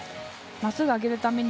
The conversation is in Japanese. まっすぐ上げるために。